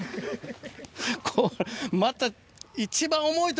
これまた。